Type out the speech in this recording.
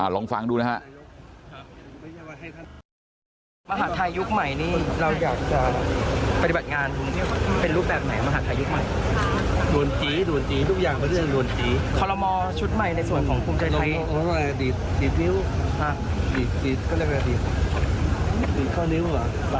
ลองฟังดูนะครับ